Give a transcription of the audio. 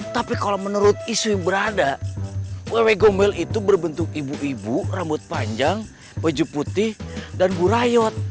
tapi kalau menurut isu yang berada wewe gomel itu berbentuk ibu ibu rambut panjang baju putih dan bu rayot